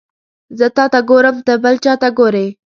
زه تاته ګورم ته بل چاته ګوري